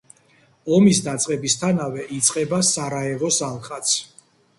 ომის დაწყებისთანავე იწყება სარაევოს ალყაც.